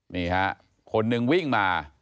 นี่ฮะคนหนึ่งวิ่งมา